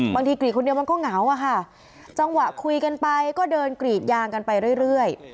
กรีดคนเดียวมันก็เหงาอะค่ะจังหวะคุยกันไปก็เดินกรีดยางกันไปเรื่อย